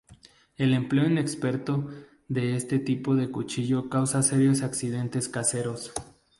El empleo inexperto de este tipo de cuchillo causa serios accidentes caseros.